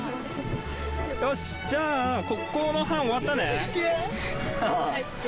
よしじゃあここの班終わったね。